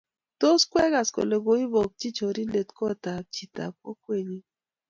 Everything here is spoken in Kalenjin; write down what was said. Tos kwegas kole koibokchi chorindet kot ab chit ab kokwenyu